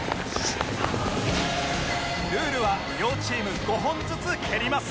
ルールは両チーム５本ずつ蹴ります